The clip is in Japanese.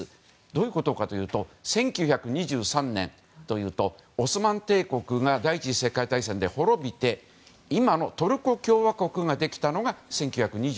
どういうことかというと１９２３年というとオスマン帝国が第１次世界大戦で滅びて今のトルコ共和国ができたのが１９２３年。